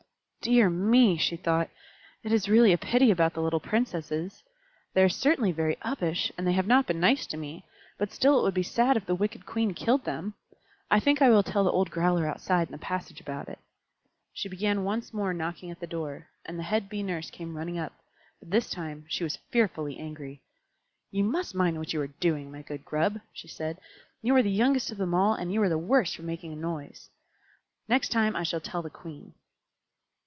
"Dear me!" she thought; "it is really a pity about the little Princesses. They are certainly very uppish, and they have not been nice to me, but still it would be sad if the wicked Queen killed them. I think I will tell the old growler outside in the passage all about it." She began once more knocking at the door, and the head Bee Nurse came running up, but this time she was fearfully angry. "You must mind what you are doing, my good Grub," she said. "You are the youngest of them all, and you are the worst for making a noise. Next time I shall tell the Queen."